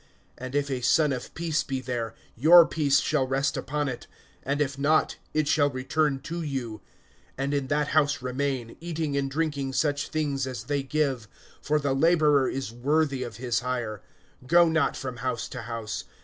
(6)And if a son of peace be there, your peace shall rest upon it; and if not, it shall return to you. (7)And in that house remain, eating and drinking such things as they give[10:7]; for the laborer is worthy of his hire. Go not from house to house.